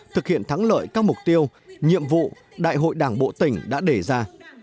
thực hiện thắng lợi các mục tiêu nhiệm vụ đại hội đảng bộ tỉnh đã đề ra